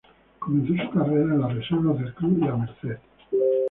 Comenzó su carrera en las reservas del Club La Merced.